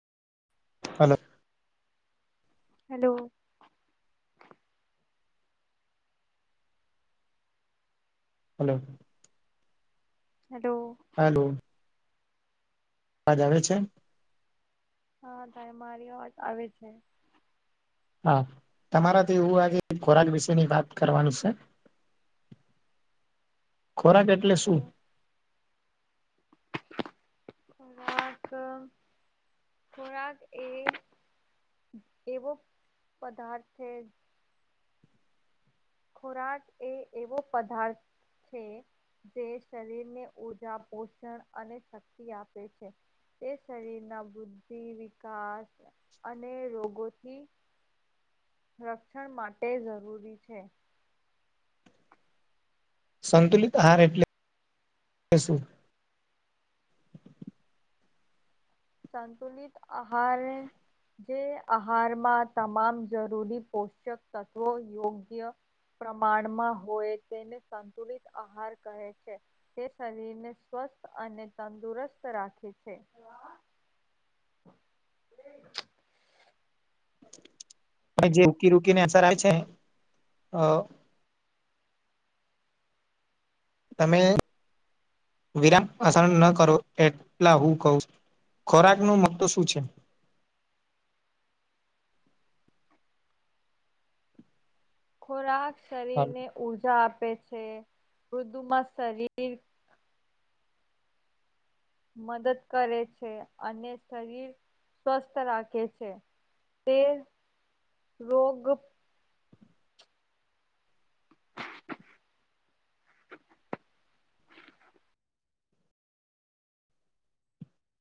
હાલો. Hello. Hello. Hello. Hello અવાજ આવે છે? હા ભાઈ, મારી અવાજ આવે છે હા. તમારાથી હું આજે ખોરાક વિસેની વાત કરવાનું સે. ખોરાક એટલે સુ? ઓકે વાત ખોરાક એ એવો પદાર્થ છે ખોરાક એ એવો પદાર્થ છે જે શરીરને ઉર્જા, પોષણ અને શક્તિ આપે છે. તે શરીરના બુદ્ધિ, વિકાસ અને રોગોથી રક્ષણ માટે જરૂરી છે. સંતુલિત આહાર એટલે સુ? સંતુલિત આહારે જે આહારમાં તમામ જરૂરી પોષક તત્વો યોગ્ય પ્રમાણમાં હોય તેને સંતુલિત આહાર કહે છે. તે શરીરને સ્વસ્થ અને તંદુરસ્ત રાખે છે. [inaudible] જે રૂકી રૂકીને અસર આવે છે. અ તમે વિરામ પસંદ ન કરો એટલા હું કહું છું. ખોરાક નું મહત્વ શું છે? ખોરાક છે શરીરને ઊર્જા આપે છે, [unintelligible] દુમાં શરીર મદદ કરે છે અને શરીર સ્વસ્થ રાખે છે. તે રોગ